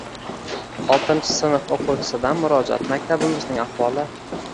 Oltinchi sinf o‘quvchisidan murojaat: «Maktabimizning ahvoli...»